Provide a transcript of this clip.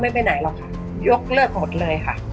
เขาไม่ไปไหนหรอกค่ะยกเลือกหดเลยค่ะ